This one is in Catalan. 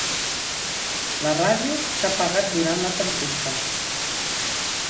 La ràdio s'ha apagat durant la tempesta.